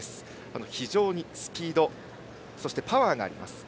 非常にスピード、そしてパワーがあります。